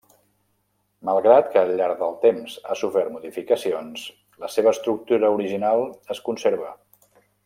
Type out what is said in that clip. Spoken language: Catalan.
Malgrat que al llarg del temps ha sofert modificacions, la seva estructura original es conserva.